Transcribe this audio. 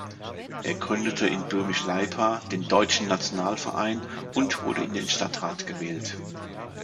Er gründete in Böhmisch-Leipa den Deutschen Nationalverein und wurde in den Stadtrat gewählt.